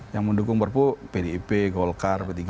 yang mendukung perpu pdip golkar p tiga r dan sebagainya